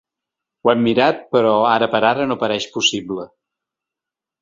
Ho hem mirat, però ara per ara no pareix possible.